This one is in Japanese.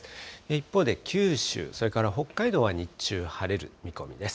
一方で九州、それから北海道は日中、晴れる見込みです。